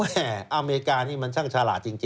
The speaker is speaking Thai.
แหมอเมริกานี่มันช่างชาลาศจริงครับ